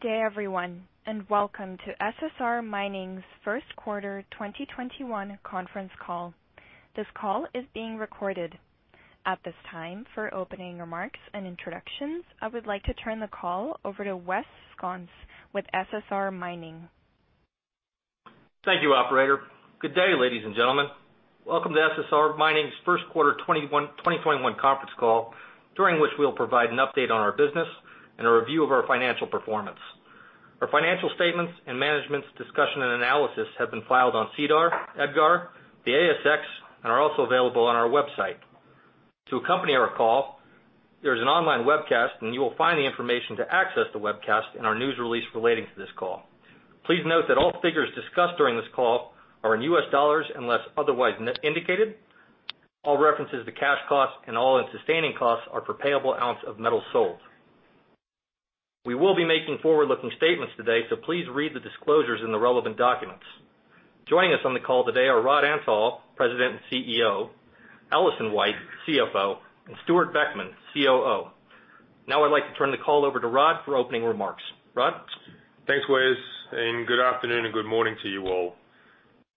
Good day, everyone, welcome to SSR Mining's first quarter 2021 conference call. This call is being recorded. At this time, for opening remarks and introductions, I would like to turn the call over to Wes Sconce with SSR Mining. Thank you, operator. Good day, ladies and gentlemen. Welcome to SSR Mining's first quarter 2021 conference call, during which we'll provide an update on our business and a review of our financial performance. Our financial statements and management's discussion and analysis have been filed on SEDAR, EDGAR, the ASX, and are also available on our website. To accompany our call, there's an online webcast, and you will find the information to access the webcast in our news release relating to this call. Please note that all figures discussed during this call are in U.S. dollars unless otherwise indicated. All references to cash costs and all-in sustaining costs are per payable ounce of metal sold. We will be making forward-looking statements today, so please read the disclosures in the relevant documents. Joining us on the call today are Rod Antal, President and CEO, Alison White, CFO, and Stewart Beckman, COO. Now I'd like to turn the call over to Rod for opening remarks. Rod? Thanks, Wes. Good afternoon and good morning to you all.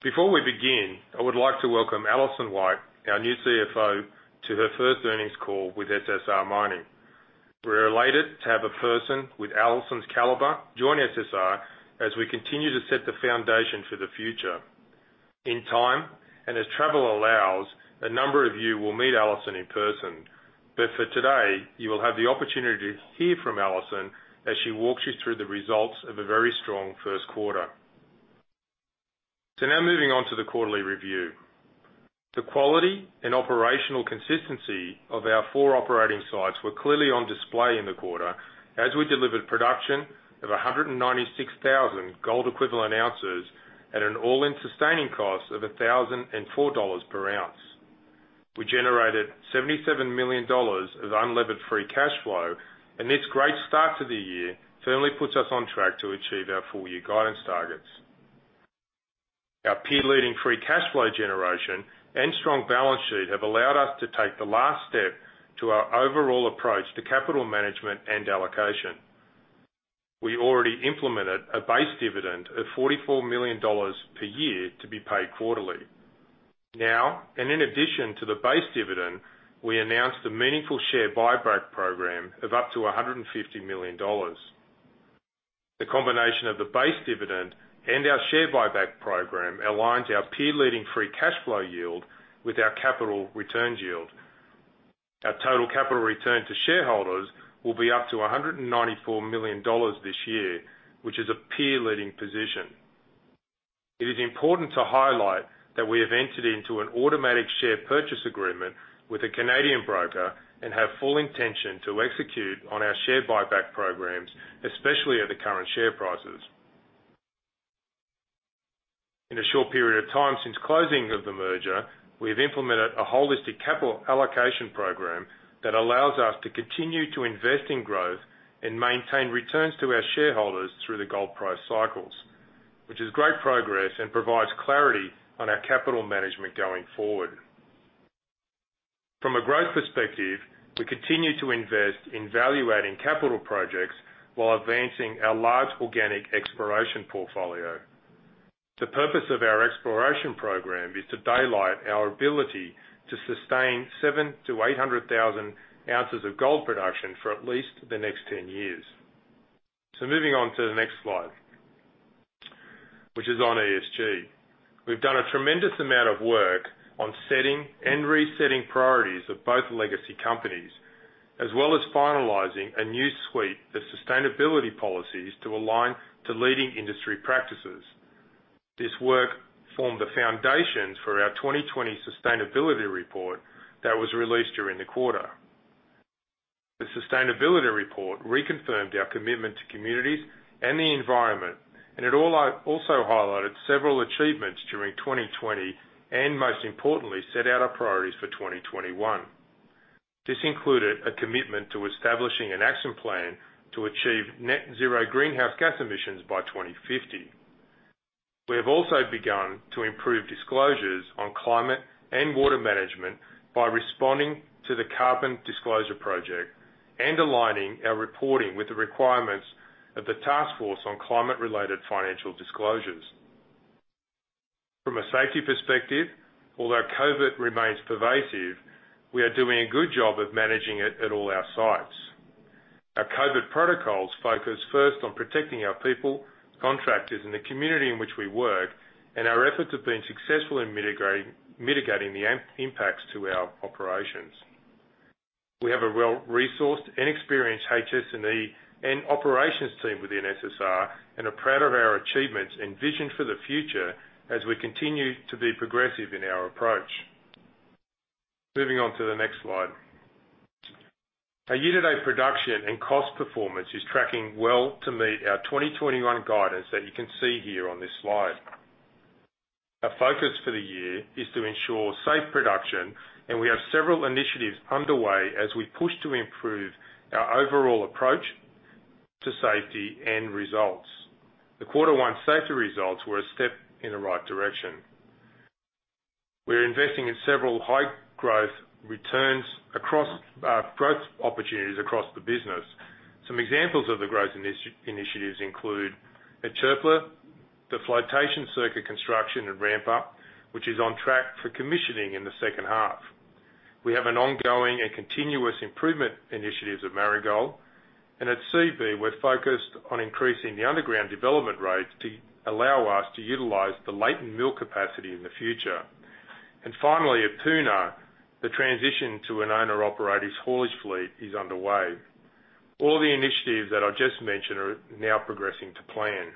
Before we begin, I would like to welcome Alison White, our new CFO, to her first earnings call with SSR Mining. We are elated to have a person with Alison's caliber join SSR as we continue to set the foundation for the future. In time, as travel allows, a number of you will meet Alison in person. For today, you will have the opportunity to hear from Alison as she walks you through the results of a very strong first quarter. Now moving on to the quarterly review. The quality and operational consistency of our four operating sites were clearly on display in the quarter as we delivered production of 196,000 GEOs at an all-in sustaining cost of $1,004 per ounce. We generated $77 million of unlevered free cash flow. This great start to the year firmly puts us on track to achieve our full-year guidance targets. Our peer-leading free cash flow generation and strong balance sheet have allowed us to take the last step to our overall approach to capital management and allocation. We already implemented a base dividend of $44 million per year to be paid quarterly. Now, in addition to the base dividend, we announced a meaningful share buyback program of up to $150 million. The combination of the base dividend and our share buyback program aligns our peer-leading free cash flow yield with our capital returns yield. Our total capital return to shareholders will be up to $194 million this year, which is a peer-leading position. It is important to highlight that we have entered into an automatic share purchase agreement with a Canadian broker and have full intention to execute on our share buyback programs, especially at the current share prices. In a short period of time since closing of the merger, we have implemented a holistic capital allocation program that allows us to continue to invest in growth and maintain returns to our shareholders through the gold price cycles, which is great progress and provides clarity on our capital management going forward. From a growth perspective, we continue to invest in valuating capital projects while advancing our large organic exploration portfolio. The purpose of our exploration program is to daylight our ability to sustain 700,000 oz to 800,000 oz of gold production for at least the next 10 years. Moving on to the next slide, which is on ESG. We've done a tremendous amount of work on setting and resetting priorities of both legacy companies, as well as finalizing a new suite of sustainability policies to align to leading industry practices. This work formed the foundations for our 2020 sustainability report that was released during the quarter. The sustainability report reconfirmed our commitment to communities and the environment, and it also highlighted several achievements during 2020, and most importantly, set out our priorities for 2021. This included a commitment to establishing an action plan to achieve net zero greenhouse gas emissions by 2050. We have also begun to improve disclosures on climate and water management by responding to the Carbon Disclosure Project and aligning our reporting with the requirements of the Taskforce on Climate-Related Financial Disclosures. From a safety perspective, although COVID remains pervasive, we are doing a good job of managing it at all our sites. Our COVID protocols focus first on protecting our people, contractors in the community in which we work, and our efforts have been successful in mitigating the impacts to our operations. We have a well-resourced and experienced HS&E and operations team within SSR and are proud of our achievements and vision for the future as we continue to be progressive in our approach. Moving on to the next slide. Our year-to-date production and cost performance is tracking well to meet our 2021 guidance that you can see here on this slide. Our focus for the year is to ensure safe production, and we have several initiatives underway as we push to improve our overall approach to safety and results. The quarter one safety results were a step in the right direction. We're investing in several high growth returns across growth opportunities across the business. Some examples of the growth initiatives include at Çöpler, the flotation circuit construction and ramp-up, which is on track for commissioning in the second half. We have an ongoing and continuous improvement initiatives at Marigold. At Seabee, we're focused on increasing the underground development rates to allow us to utilize the latent mill capacity in the future. Finally, at Puna, the transition to an owner-operated haulage fleet is underway. All the initiatives that I just mentioned are now progressing to plan.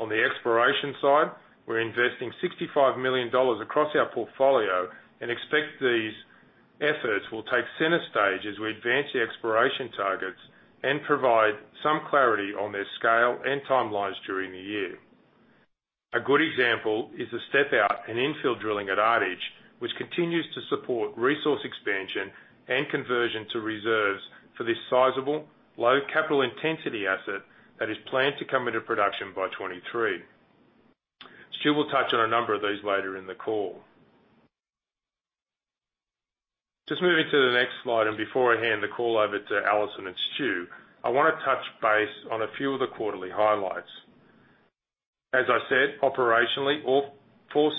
On the exploration side, we're investing $65 million across our portfolio and expect these efforts will take center stage as we advance the exploration targets and provide some clarity on their scale and timelines during the year. A good example is the step-out and infill drilling at Ardich, which continues to support resource expansion and conversion to reserves for this sizable, low capital intensity asset that is planned to come into production by 2023. Stu will touch on a number of these later in the call. Just moving to the next slide, and before I hand the call over to Alison and Stu, I want to touch base on a few of the quarterly highlights. As I said, operationally, all four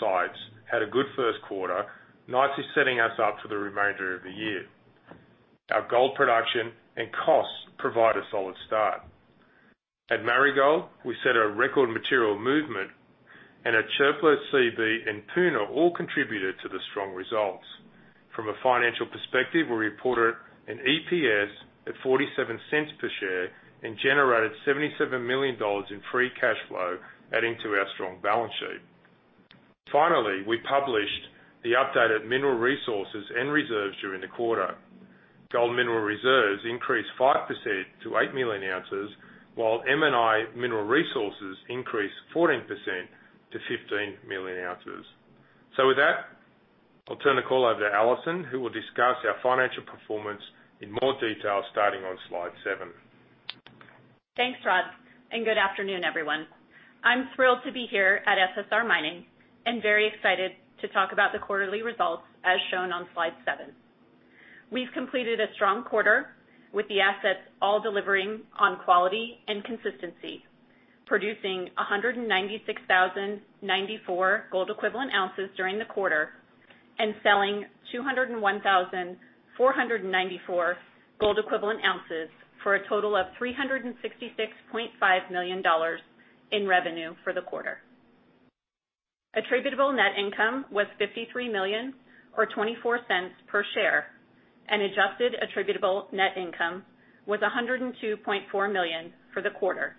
sites had a good first quarter, nicely setting us up for the remainder of the year. Our gold production and costs provide a solid start. At Marigold, we set a record material movement, and at Çöpler, Seabee, and Puna all contributed to the strong results. From a financial perspective, we reported an EPS at $0.47 per share and generated $77 million in free cash flow, adding to our strong balance sheet. Finally, we published the updated mineral resources and reserves during the quarter. Gold mineral reserves increased 5% to 8 Moz, while M&I mineral resources increased 14% to 15 Moz. With that, I'll turn the call over to Alison, who will discuss our financial performance in more detail, starting on slide seven. Thanks, Rod. Good afternoon, everyone. I'm thrilled to be here at SSR Mining and very excited to talk about the quarterly results as shown on slide seven. We've completed a strong quarter with the assets all delivering on quality and consistency, producing 196,094 GEOs during the quarter and selling 201,494 GEOs for a total of $366.5 million in revenue for the quarter. Attributable net income was $53 million or $0.24 per share, and adjusted attributable net income was $102.4 million for the quarter,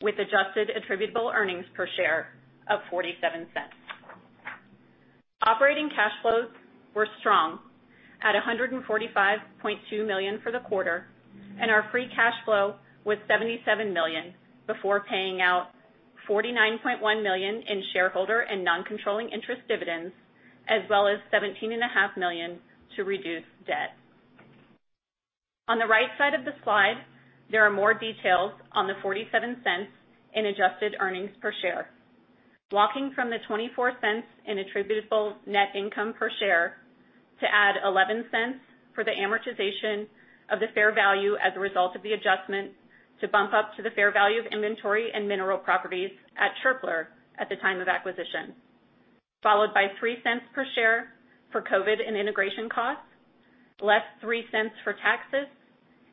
with adjusted attributable earnings per share of $0.47. Operating cash flows were strong at $145.2 million for the quarter, and our free cash flow was $77 million before paying out $49.1 million in shareholder and non-controlling interest dividends, as well as $17.5 million to reduce debt. On the right side of the slide, there are more details on the $0.47 in adjusted earnings per share. Walking from the $0.24 in attributable net income per share to add $0.11 for the amortization of the fair value as a result of the adjustment to bump up to the fair value of inventory and mineral properties at Çöpler at the time of acquisition, followed by $0.03 per share for COVID and integration costs, less $0.03 for taxes,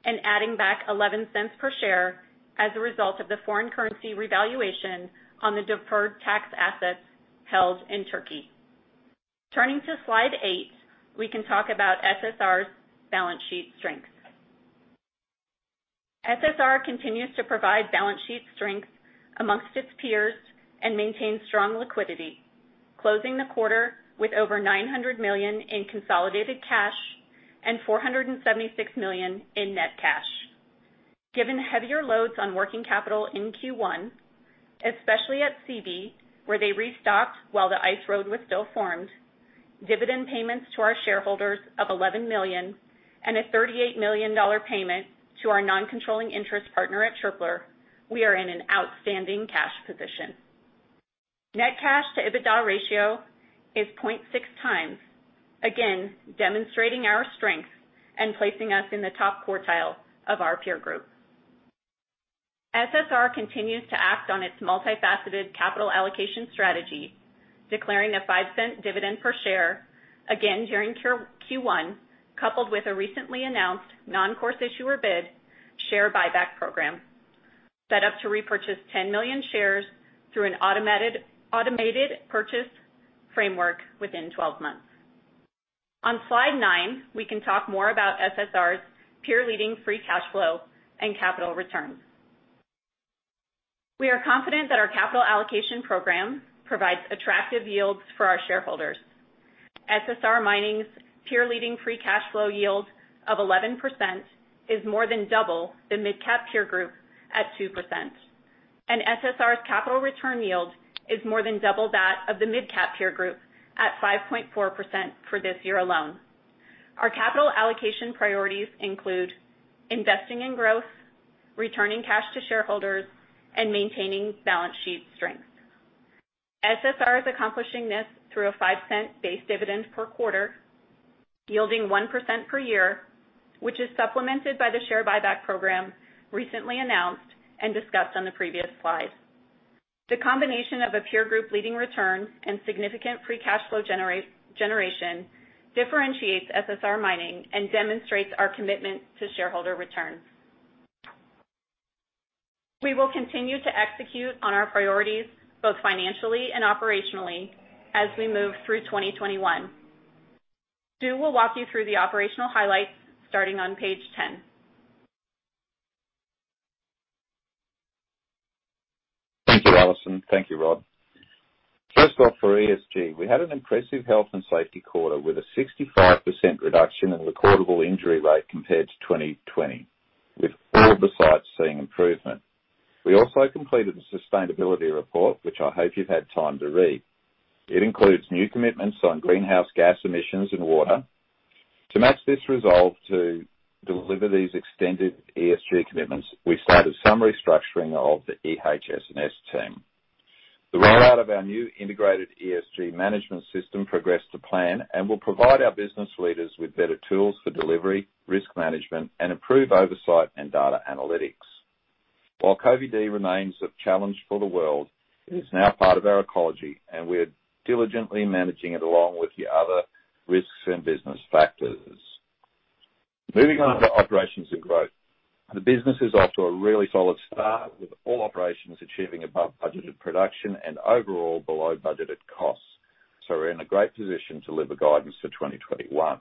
and adding back $0.11 per share as a result of the foreign currency revaluation on the deferred tax assets held in Turkey. Turning to slide eight, we can talk about SSR's balance sheet strength. SSR continues to provide balance sheet strength amongst its peers and maintain strong liquidity, closing the quarter with over $900 million in consolidated cash and $476 million in net cash. Given heavier loads on working capital in Q1, especially at Seabee, where they restocked while the ice road was still formed, dividend payments to our shareholders of $11 million and a $38 million payment to our non-controlling interest partner at Çöpler, we are in an outstanding cash position. Net cash to EBITDA ratio is 0.6x, again, demonstrating our strength and placing us in the top quartile of our peer group. SSR continues to act on its multifaceted capital allocation strategy, declaring a $0.05 dividend per share again during Q1, coupled with a recently announced normal course issuer bid share buyback program, set up to repurchase 10 million shares through an automated purchase framework within 12 months. On slide nine, we can talk more about SSR's peer-leading free cash flow and capital returns. We are confident that our capital allocation program provides attractive yields for our shareholders. SSR Mining's peer-leading free cash flow yield of 11% is more than double the mid-cap peer group at 2%. SSR's capital return yield is more than double that of the mid-cap peer group at 5.4% for this year alone. Our capital allocation priorities include investing in growth, returning cash to shareholders, and maintaining balance sheet strength. SSR is accomplishing this through a $0.05 base dividend per quarter, yielding 1% per year, which is supplemented by the share buyback program recently announced and discussed on the previous slide. The combination of a peer group leading return and significant free cash flow generation differentiates SSR Mining and demonstrates our commitment to shareholder returns. We will continue to execute on our priorities, both financially and operationally, as we move through 2021. Stu will walk you through the operational highlights starting on page 10. Thank you, Alison. Thank you, Rod. First off, for ESG, we had an impressive health and safety quarter with a 65% reduction in recordable injury rate compared to 2020, with all of the sites seeing improvement. We also completed the sustainability report, which I hope you've had time to read. It includes new commitments on greenhouse gas emissions and water. To match this resolve to deliver these extended ESG commitments, we started some restructuring of the EHS&S team. The rollout of our new integrated ESG management system progressed to plan and will provide our business leaders with better tools for delivery, risk management, and improved oversight and data analytics. While COVID remains a challenge for the world, it is now part of our ecology, and we're diligently managing it along with the other risks and business factors. Moving on to operations and growth. The business is off to a really solid start, with all operations achieving above-budgeted production and overall below-budgeted costs. We're in a great position to deliver guidance for 2021.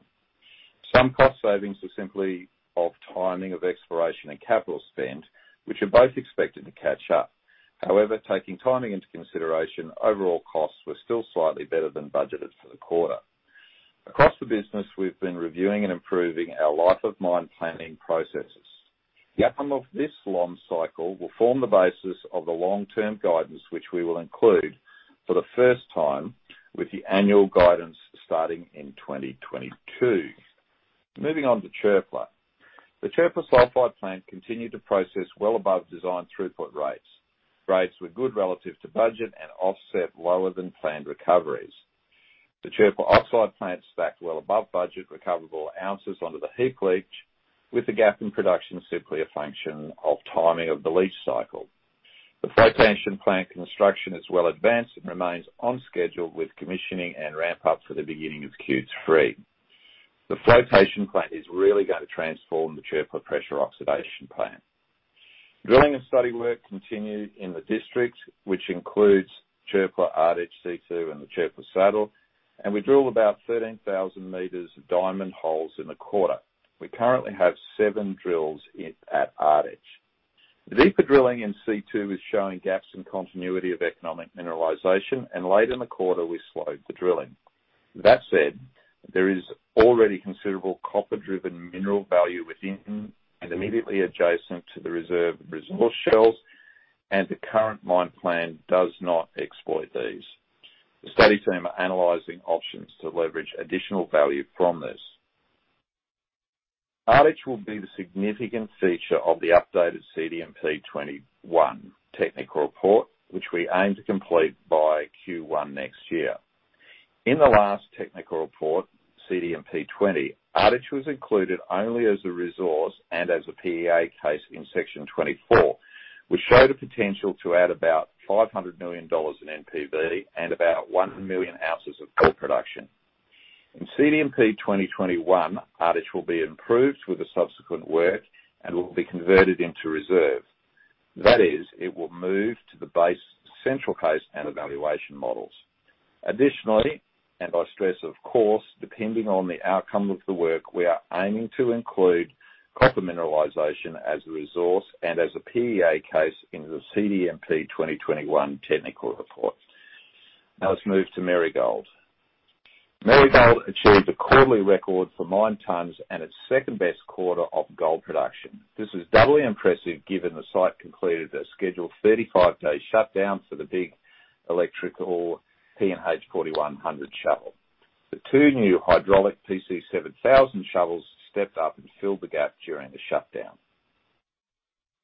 Some cost savings are simply of timing of exploration and capital spend, which are both expected to catch up. However, taking timing into consideration, overall costs were still slightly better than budgeted for the quarter. Across the business, we've been reviewing and improving our life of mine planning processes. The outcome of this long cycle will form the basis of the long-term guidance, which we will include for the first time with the annual guidance starting in 2022. Moving on to Çöpler. The Çöpler Sulphide Plant continued to process well above design throughput rates. Rates were good relative to budget and offset lower than planned recoveries. The Çöpler Oxide plant stacked well above budget recoverable ounces under the heap leach, with the gap in production simply a function of timing of the leach cycle. The flotation plant construction is well advanced and remains on schedule with commissioning and ramp up for the beginning of Q3. The flotation plant is really going to transform the Çöpler pressure oxidation plant. Drilling and study work continued in the district, which includes Çöpler, Ardich, C2, and the Çöpler Saddle, and we drilled about 13,000 m of diamond holes in the quarter. We currently have seven drills in at Ardich. The deeper drilling in C2 is showing gaps in continuity of economic mineralization, and late in the quarter, we slowed the drilling. That said, there is already considerable copper-driven mineral value within and immediately adjacent to the reserve resource shells, and the current mine plan does not exploit these. The study team are analyzing options to leverage additional value from this. Ardich will be the significant feature of the updated CDMP21 technical report, which we aim to complete by Q1 next year. In the last technical report, CDMP20, Ardich was included only as a resource and as a PEA case in Section 24, which showed a potential to add about $500 million in NPV and about 1 Moz of copper production. In CDMP21, Ardich will be improved with the subsequent work and will be converted into reserve. That is, it will move to the base central case and evaluation models. Additionally, and I stress, of course, depending on the outcome of the work, we are aiming to include copper mineralization as a resource and as a PEA case in the CDMP21 technical report. Now let's move to Marigold. Marigold achieved a quarterly record for mined tons and its second-best quarter of gold production. This is doubly impressive given the site concluded a scheduled 35-day shutdown for the big electrical P&H 4100 shovel. The two new hydraulic PC 7000 shovels stepped up and filled the gap during the shutdown.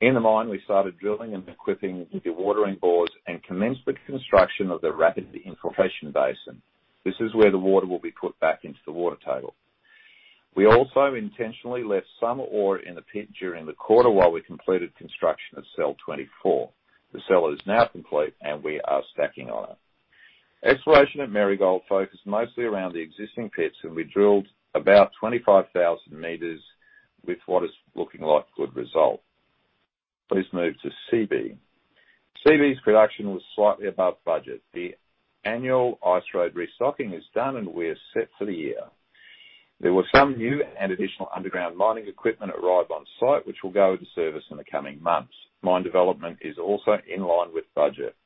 In the mine, we started drilling and equipping the dewatering bores and commenced the construction of the rapid infiltration basin. This is where the water will be put back into the water table. We also intentionally left some ore in the pit during the quarter while we completed construction of cell 24. The cell is now complete, and we are stacking on it. Exploration at Marigold focused mostly around the existing pits, and we drilled about 25,000 m with what is looking like good results. Please move to Seabee. Seabee's production was slightly above budget. The annual ice road restocking is done. We are set for the year. There were some new and additional underground mining equipment arrive on site, which will go into service in the coming months. Mine development is also in line with budget.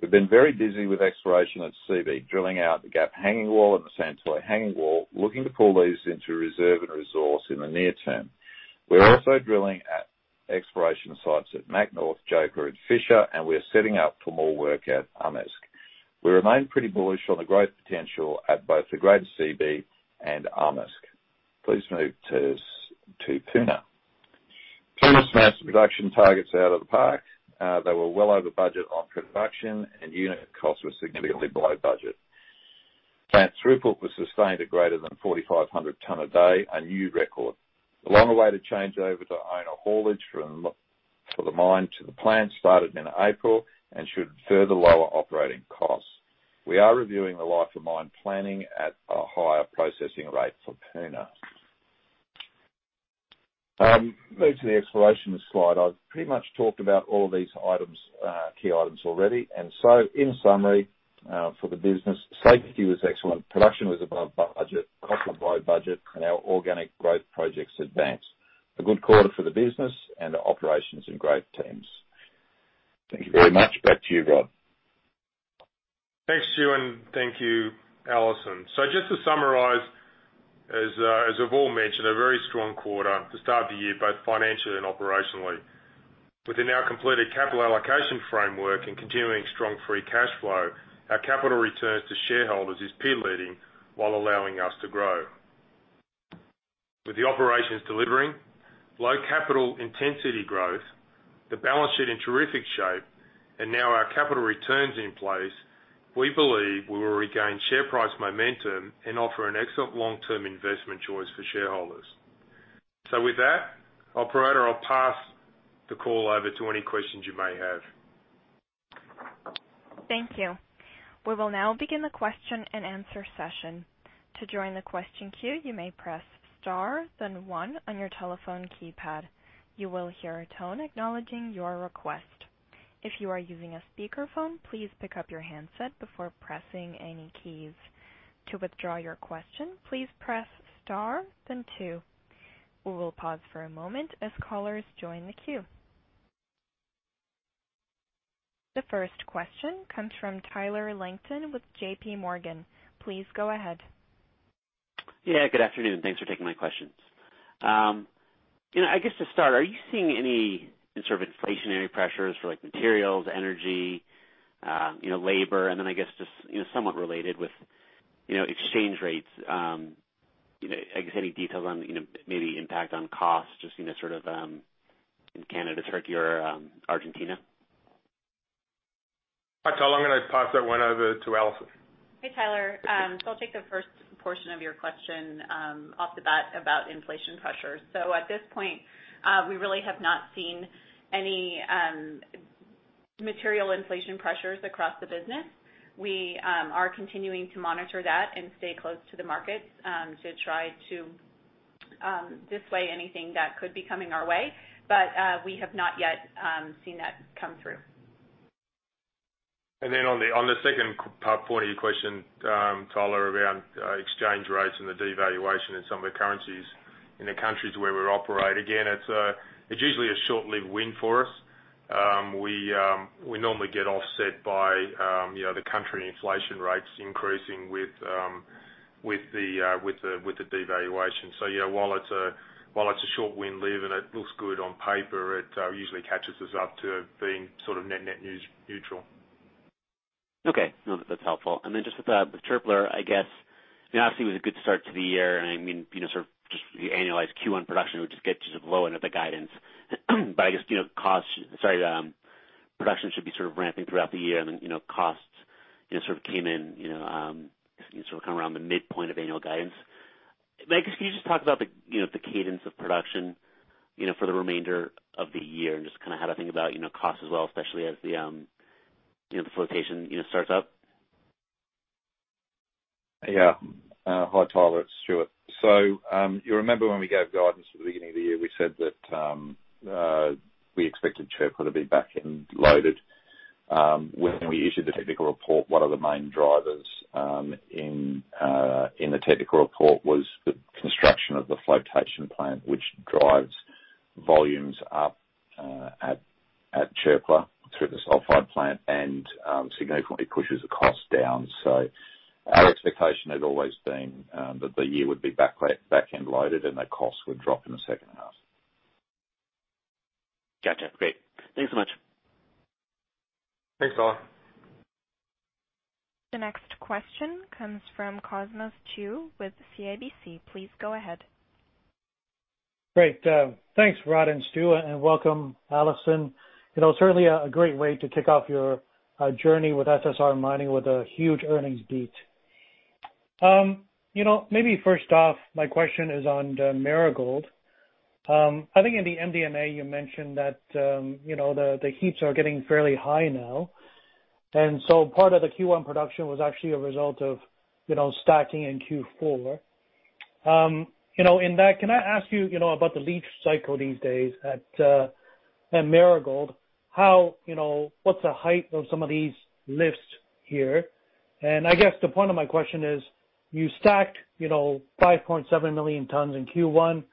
We've been very busy with exploration at Seabee, drilling out the Gap Hangingwall and the Santoy Hangingwall, looking to pull these into reserve and resource in the near term. We're also drilling at exploration sites at Mac North, Joker, and Fisher. We're setting up for more work at Amisk. We remain pretty bullish on the growth potential at both Seabee and Amisk. Please move to Puna. Puna's massive production targets are out of the park. They were well over budget on construction. Unit costs were significantly below budget. Plant throughput was sustained at greater than 4,500 tons a day, a new record. The longer wait to change over to owner haulage for the mine to the plant started in April and should further lower operating costs. We are reviewing the life of mine planning at a higher processing rate for Puna. Moving to the exploration slide. I've pretty much talked about all these key items already. In summary, for the business, safety was excellent, production was above budget, cost was below budget, and our organic growth projects advanced. A good quarter for the business and our operations and great teams. Thank you very much. Back to you, Rod. Thanks, Stu, and thank you, Alison. Just to summarize, as I've all mentioned, a very strong quarter to start the year, both financially and operationally. With the now completed capital allocation framework and continuing strong free cash flow, our capital returns to shareholders is peer leading while allowing us to grow. With the operations delivering low capital intensity growth, the balance sheet in terrific shape, and now our capital returns in place, we believe we will regain share price momentum and offer an excellent long-term investment choice for shareholders. With that, operator, I'll pass the call over to any questions you may have. Thank you. We will now begin the question-and-answer session. To join the question queue, you may press star then one on your telephone keypad. You will hear a tone acknowledging your request. If you are using a speakerphone, please pick up your handset before pressing any keys. To withdraw your question, please press star then two. We will pause for a moment as callers join the queue. The first question comes from Tyler Langton with JPMorgan. Please go ahead. Yeah, good afternoon. Thanks for taking my questions. I guess to start, are you seeing any sort of inflationary pressures for materials, energy, labor? Then I guess just somewhat related with exchange rates, I guess any details on maybe impact on cost, just in Canada, Turkey, or Argentina? Tyler, I'm going to pass that one over to Alison. Hey, Tyler. I'll take the first portion of your question off the bat about inflation pressures. At this point, we really have not seen any material inflation pressures across the business. We are continuing to monitor that and stay close to the markets to try to display anything that could be coming our way. We have not yet seen that come through. Then on the second part of your question, Tyler, around exchange rates and the devaluation in some of the currencies in the countries where we operate. Again, it's usually a short-lived win for us. We normally get offset by the country inflation rates increasing with the devaluation. So yeah, while it's a short win lived and it looks good on paper, it usually catches us up to being sort of net neutral. Okay. No, that's helpful. Just about the Çöpler, I guess, obviously it was a good start to the year. Just the annualized Q1 production, which gets us below end of the guidance. Production should be sort of ramping throughout the year and costs sort of came in around the midpoint of annual guidance. Maybe can you just talk about the cadence of production for the remainder of the year and just how to think about cost as well, especially as the flotation starts up? Hi, Tyler. It's Stewart. You remember when we gave guidance at the beginning of the year, we said that we expected Çöpler to be back-end loaded. When we issued the technical report, one of the main drivers in the technical report was the construction of the flotation plant, which drives volumes up at Çöpler through the sulfide plant and significantly pushes the cost down. Our expectation has always been that the year would be back-end loaded, and the cost would drop in the second half. Gotcha. Great. Thanks so much. Thanks, Tyler. The next question comes from Cosmos Chiu with CIBC. Please go ahead. Great. Thanks, Rod and Stewart, and welcome, Alison. Certainly a great way to kick off your journey with SSR Mining with a huge earnings beat. Maybe first off, my question is on Marigold. I think in the MD&A you mentioned that the heaps are getting fairly high now, and so part of the Q1 production was actually a result of stacking in Q4. In that, can I ask you about the leach cycle these days at Marigold? What's the height of some of these lifts here? I guess the point of my question is, you stacked 5.7 million tons in Q1,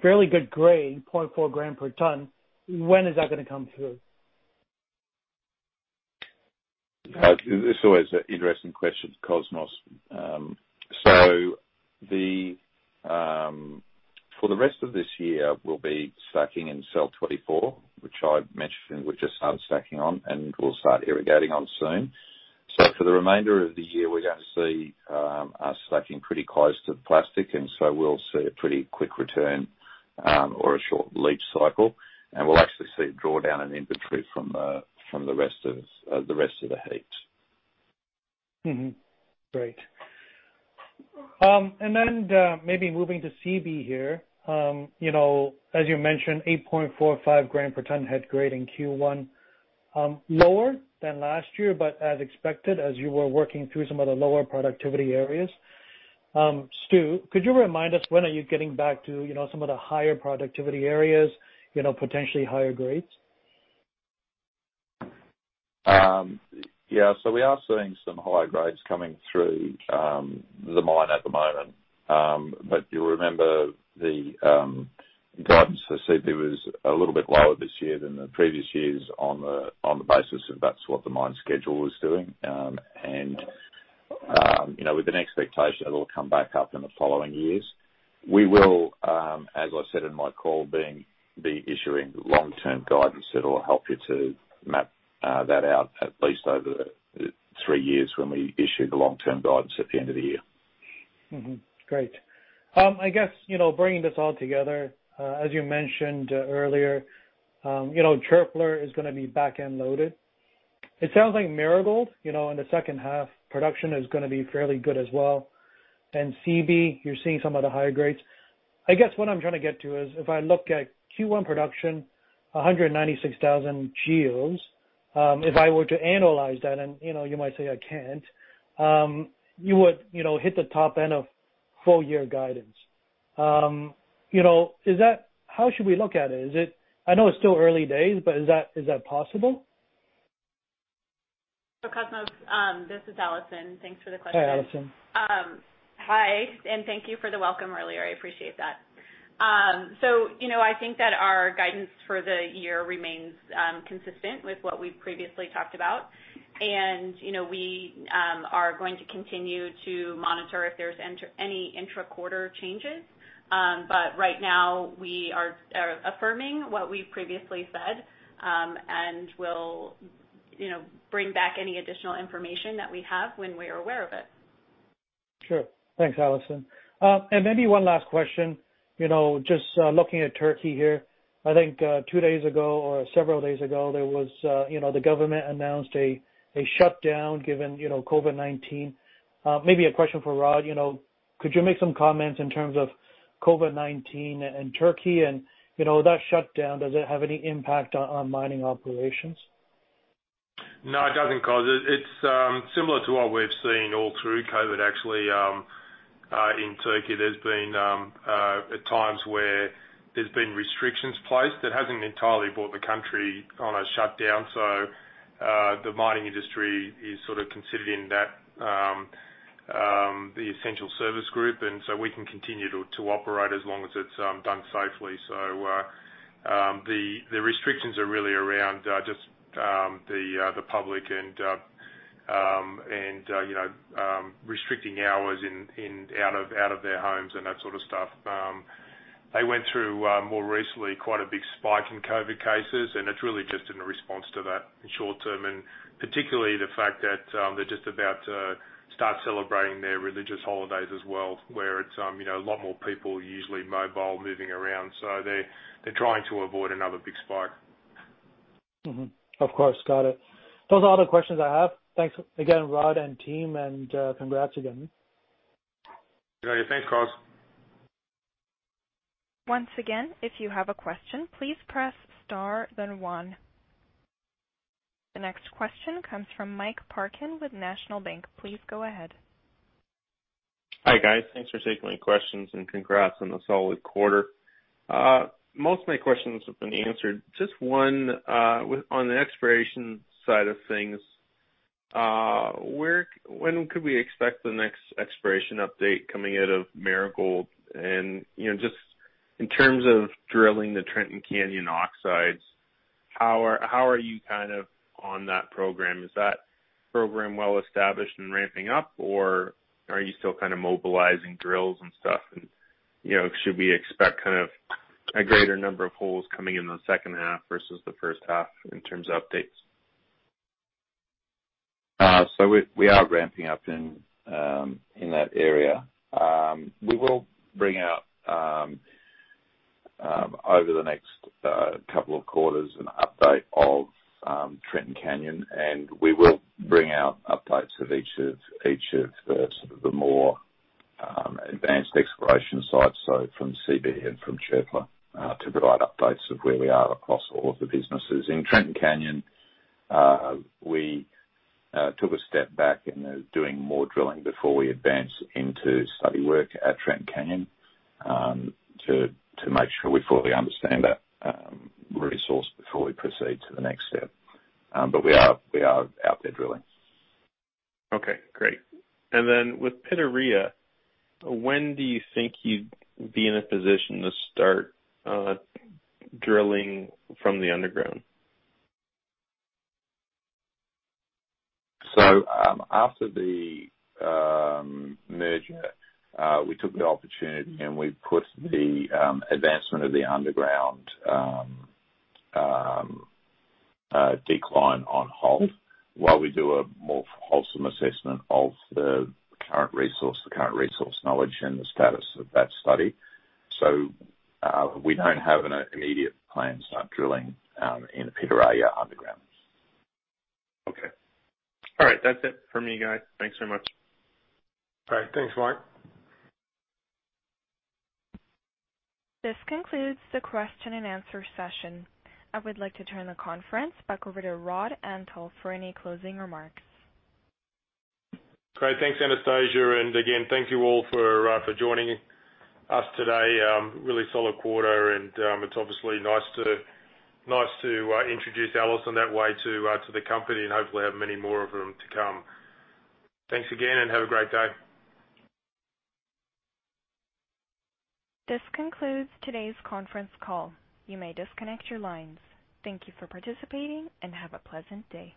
fairly good grade, 0.4 gram per ton. When is that going to come through? It's always an interesting question, Cosmos. For the rest of this year, we'll be stacking in cell 24, which I mentioned we just started stacking on, and we'll start irrigating on soon. For the remainder of the year, we're going to see us stacking pretty close to the plastic, and so we'll see a pretty quick return, or a short leach cycle. We'll actually see a drawdown in inventory from the rest of the heaps. Mm-hmm. Great. Maybe moving to Seabee here. As you mentioned, 8.45 gram per ton head grade in Q1. Lower than last year, as expected as you were working through some of the lower productivity areas. Stu, could you remind us when are you getting back to some of the higher productivity areas, potentially higher grades? Yeah. We are seeing some higher grades coming through the mine at the moment. You'll remember the guidance for Seabee was a little bit lower this year than the previous years on the basis of that's what the mine schedule was doing. With an expectation it'll come back up in the following years. We will, as I said in my call, be issuing long-term guidance that will help you to map that out at least over the three years when we issue the long-term guidance at the end of the year. Mm-hmm. Great. I guess, bringing this all together, as you mentioned earlier, Çöpler is going to be back-end loaded. It sounds like Marigold, in the second half, production is going to be fairly good as well. And Seabee, you're seeing some of the higher grades. I guess what I'm trying to get to is if I look at Q1 production, 196,000 GEOs. If I were to analyze that and you might say I can't, you would hit the top end of full year guidance. How should we look at it? I know it's still early days, but is that possible? Cosmos, this is Alison. Thanks for the question. Hi, Alison. Hi, thank you for the welcome earlier. I appreciate that. I think that our guidance for the year remains consistent with what we've previously talked about. We are going to continue to monitor if there's any intra-quarter changes. Right now, we are affirming what we've previously said. We'll bring back any additional information that we have when we are aware of it. Sure. Thanks, Alison. Maybe one last question. Just looking at Turkey here. I think, two days ago or several days ago, the government announced a shutdown given COVID-19. Maybe a question for Rod. Could you make some comments in terms of COVID-19 and Turkey and that shutdown? Does it have any impact on mining operations? No, it doesn't, Cos. It's similar to what we've seen all through COVID, actually, in Turkey. There's been times where there's been restrictions placed. It hasn't entirely brought the country on a shutdown, so, the mining industry is sort of considered in the essential service group. We can continue to operate as long as it's done safely. The restrictions are really around just the public and restricting hours out of their homes and that sort of stuff. They went through, more recently, quite a big spike in COVID cases, and it's really just in response to that in short term, and particularly the fact that they're just about to start celebrating their religious holidays as well, where it's a lot more people, usually mobile, moving around. They're trying to avoid another big spike. Of course. Got it. Those are all the questions I have. Thanks again, Rod and team, and congrats again. Yeah. Thanks, Cos. Once again, if you have a question, please press star then one. The next question comes from Mike Parkin with National Bank. Please go ahead. Hi, guys. Thanks for taking my questions. Congrats on the solid quarter. Most of my questions have been answered. Just one, on the exploration side of things. When could we expect the next exploration update coming out of Marigold and just in terms of drilling the Trenton Canyon oxides, how are you on that program? Is that program well established and ramping up, or are you still kind of mobilizing drills and stuff? Should we expect a greater number of holes coming in the second half versus the first half in terms of updates? We are ramping up in that area. We will bring out, over the next couple of quarters, an update of Trenton Canyon, and we will bring out updates of each of the more advanced exploration sites, from Seabee and from Çöpler, to provide updates of where we are across all of the businesses. In Trenton Canyon, we took a step back and are doing more drilling before we advance into study work at Trenton Canyon to make sure we fully understand that resource before we proceed to the next step. We are out there drilling. Okay, great. Then with Pitarrilla, when do you think you'd be in a position to start drilling from the underground? After the merger, we took the opportunity, and we put the advancement of the underground decline on halt while we do a more wholesome assessment of the current resource, the current resource knowledge, and the status of that study. We don't have an immediate plan to start drilling in Pitarrilla underground. Okay. All right. That's it for me, guys. Thanks so much. All right. Thanks, Mike. This concludes the question-and-answer session. I would like to turn the conference back over to Rod Antal for any closing remarks. Great. Thanks, Anastasia. Again, thank you all for joining us today. Really solid quarter and it's obviously nice to introduce Alison that way to the company and hopefully have many more of them to come. Thanks again, and have a great day. This concludes today's conference call. You may disconnect your lines. Thank you for participating, and have a pleasant day.